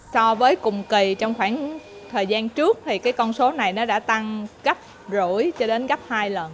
so với cùng kỳ trong khoảng thời gian trước thì cái con số này nó đã tăng gấp rưỡi cho đến gấp hai lần